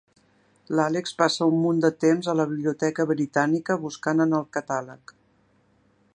L'Àlex passa un munt de temps a la Biblioteca Britànica, buscant en el catàleg.